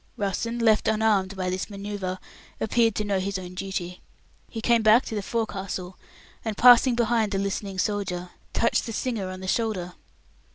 Russen, left unarmed by this manoeuvre, appeared to know his own duty. He came back to the forecastle, and passing behind the listening soldier, touched the singer on the shoulder.